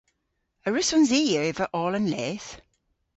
A wrussons i eva oll an leth?